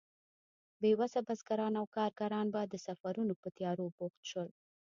بې وسه بزګران او کارګران به د سفرونو په تيارو بوخت شول.